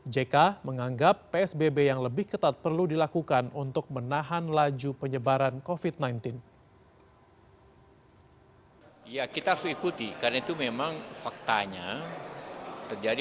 jk menganggap psbb yang lebih ketat perlu dilakukan untuk menahan laju penyebaran covid sembilan belas